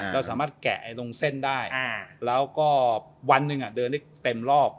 เราสามารถแกะตรงเส้นได้แล้วก็วันหนึ่งเดินได้เต็มรอบ